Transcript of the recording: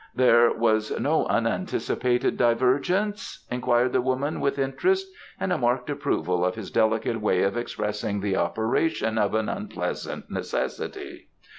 "There was no unanticipated divergence?" inquired the woman with interest and a marked approval of this delicate way of expressing the operation of an unpleasant necessity.